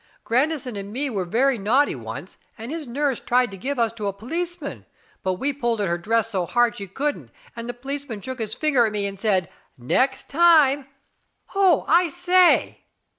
Grandi son and me were very naughty once, and his nurse tried to give us to a p'leeceman, but we pulled at her dress so hard she couldn't; and the p'leeceman shook his finger at me and said, 'Next time!'— Oh, I say!"